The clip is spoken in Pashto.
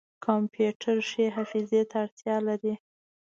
کمپیوټر ښې حافظې ته اړتیا لري.